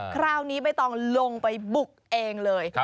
คราวนี้ใบตองลงไปบุกเองเลย